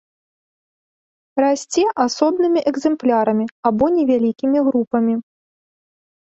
Расце асобнымі экземплярамі або невялікімі групамі.